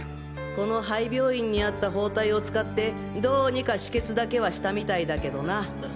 この廃病院にあった包帯を使ってどうにか止血だけはしたみたいだけどな。